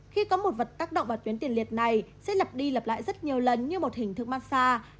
khi có một vật tác động vào tuyến tiền liệt này sẽ lặp đi lặp lại rất nhiều lần như một hình thức massage